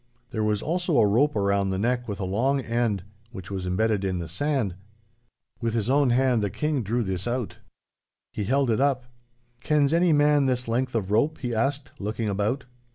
There was also a rope around the neck with a long end, which was embedded in the sand. With his own hand the King drew this out. He held it up. 'Kens any man this length of rope?' he asked, looking about.